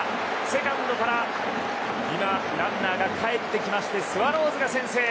セカンドからランナーがかえってきましてスワローズが先制！